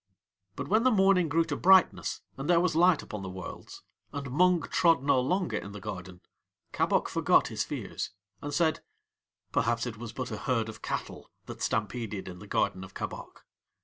But when the morning grew to brightness, and there was light upon the Worlds, and Mung trod no longer in the garden, Kabok forgot his fears, and said: "Perhaps it was but a herd of cattle that stampeded in the garden of Kabok."